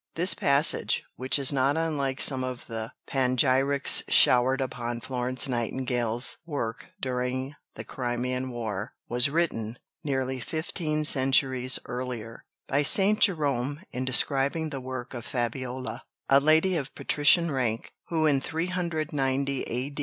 This passage, which is not unlike some of the panegyrics showered upon Florence Nightingale's work during the Crimean War, was written, nearly fifteen centuries earlier, by St. Jerome in describing the work of Fabiola, a lady of patrician rank, who in 390 A.